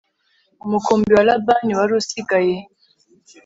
umukumbi wa labani wari usigaye